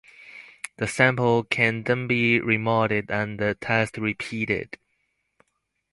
The sample can then be remolded and the test repeated.